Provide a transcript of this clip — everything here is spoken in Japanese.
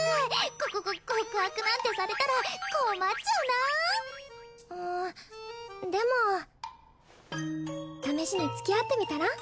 こここ告白なんてされたら困っちゃうなうんでも試しにつきあってみたら？